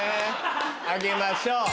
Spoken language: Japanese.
あげましょう！